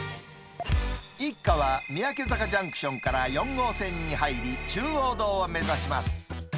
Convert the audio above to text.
一家は三宅坂ジャンクションから４号線に入り、中央道を目指します。